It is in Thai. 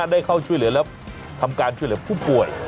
ได้เข้าช่วยเหลือและทำการช่วยเหลือผู้ป่วย